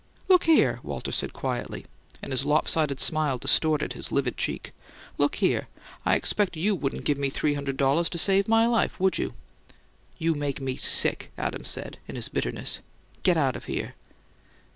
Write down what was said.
"Look here," Walter said, quietly; and his lopsided smile distorted his livid cheek. "Look here: I expect YOU wouldn't give me three hundred dollars to save my life, would you?" "You make me sick," Adams said, in his bitterness. "Get out of here."